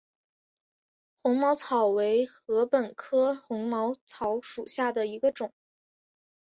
红毛草为禾本科红毛草属下的一个种。